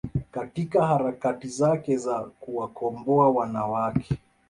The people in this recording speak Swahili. katika harakati zake za kuwakomboa wanawake